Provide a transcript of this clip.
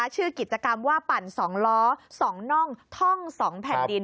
ชื่อกิจกรรมว่าปั่น๒ล้อ๒น่องท่อง๒แผ่นดิน